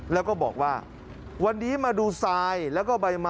แล้วก็บอกว่าวันนี้มาดูทรายแล้วก็ใบไม้